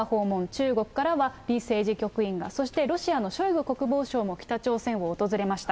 中国からは李政治局員が、そしてロシアのショイグ国防相も北朝鮮を訪れました。